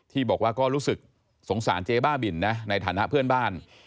ที่บอกว่าก็รู้สึกสงสารเจ๊บ้าบินนะในฐานะเพื่อนบ้าน